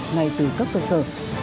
ngay từ cấp cơ sở